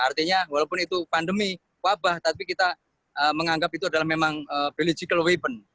artinya walaupun itu pandemi wabah tapi kita menganggap itu adalah memang biological weapon